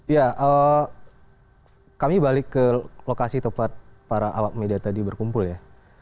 ya kami balik ke lokasi tempat para awak media tadi berkumpul ya